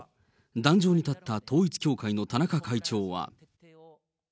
壇上に立った統一教会の田中会長は。